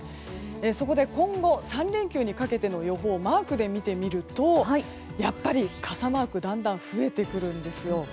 そこで、今後３連休にかけての予報をマークで見てみるとやっぱり傘マークだんだん増えてくるんですよ。